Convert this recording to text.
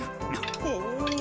お！